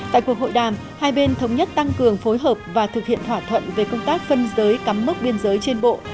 tại cuộc hội đàm hai bên thống nhất tăng cường phối hợp và thực hiện thỏa thuận về công tác phân giới cắm mốc biên giới trên bộ